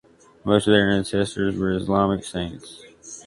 Most of their ancestors were Islamic saints.